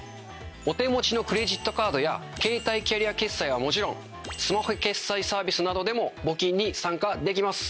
お手持ちのクレジットカードや携帯キャリア決済はもちろんスマホ決済サービスなどでも募金に参加できます。